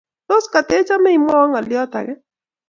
Tos ketechome imwoiwo ngolyo ake?